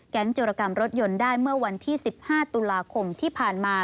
จรกรรมรถยนต์ได้เมื่อวันที่๑๕ตุลาคมที่ผ่านมา